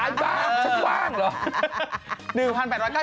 บ้างช้างบ้างเหรอ